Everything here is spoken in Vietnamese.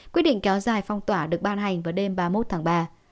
quyết định kéo dài phong tỏa được ban hành vào đêm ba mươi một tháng ba